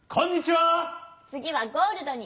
つぎはゴールドに。